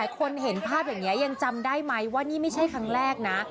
คนเห็นภาพอย่างนี้ยังจำได้ไหมว่านี่ไม่ใช่ครั้งแรกนะ